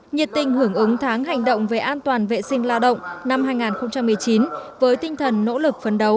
nhiệt tình hưởng ứng tháng hành động về an toàn vệ sinh lao động năm hai nghìn một mươi chín với tinh thần nỗ lực phấn đấu